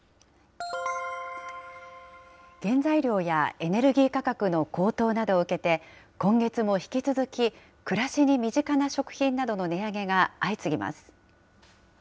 原材料やエネルギー価格の高騰などを受けて、今月も引き続き、暮らしに身近な食品などの値上げが相次ぎます。